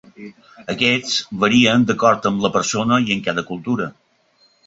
Aquests varien d'acord amb la persona i en cada cultura.